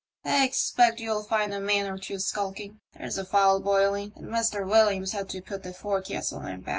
*' I expect you'll find a man or two skulking. There's a fowl boiling, and Mr. Williams had to put the fore castle lamp out.